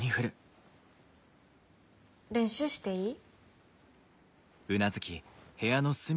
練習していい？